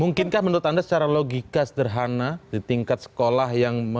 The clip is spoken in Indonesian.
mungkinkah menurut anda secara logika sederhana di tingkat sekolah yang